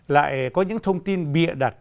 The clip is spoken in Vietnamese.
lại có những thông tin bịa đặt